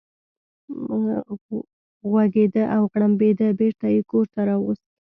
غوږېده او غړمبېده، بېرته یې کور ته راوست.